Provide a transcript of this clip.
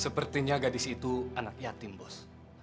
sepertinya gadis itu anak yatim bos